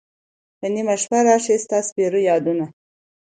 په نیمه شپه را شی ستا سپیره یادونه